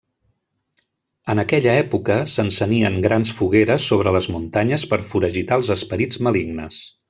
En aquella època, s'encenien grans fogueres sobre les muntanyes per foragitar els esperits malignes.